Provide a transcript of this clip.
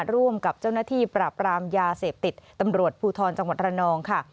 ร่วมกับเจ้าหน้าที่ปราบรามยาเสพติดตำรวจภูทรจังหวัดระนองค่ะ